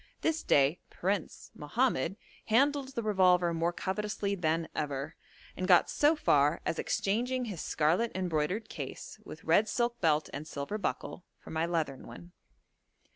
This day 'Prince' Mohammed handled the revolver more covetously than ever, and got so far as exchanging his scarlet embroidered case, with red silk belt and silver buckle, for my leathern one.